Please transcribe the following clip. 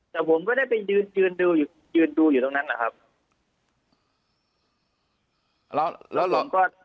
แต่ผมก็ได้ไปยืนดูอยู่ตรงนั้นแหละครับ